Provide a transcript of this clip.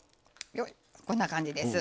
こんな感じです。